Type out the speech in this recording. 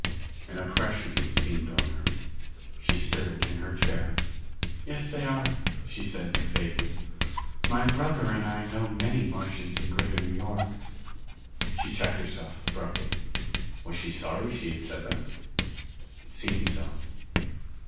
An oppression seemed on her. She stirred in her chair. "Yes they are," she said vaguely. "My brother and I know many Martians in Greater New York." She checked herself abruptly. Was she sorry she had said that? It seemed so.